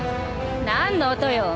何の音よ？